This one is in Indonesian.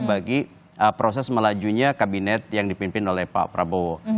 bagi proses melajunya kabinet yang dipimpin oleh pak prabowo